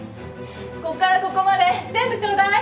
こっからここまで全部ちょうだい！